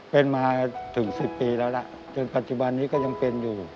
เป็นมาถึง๑๐ปีแล้วล่ะจนปัจจุบันนี้ก็ยังเป็นอยู่